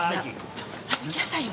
ちょっと行きなさいよ。